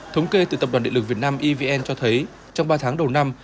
thống kê từ tập đoàn địa lực việt nam evn cho thấy trong ba tháng đầu năm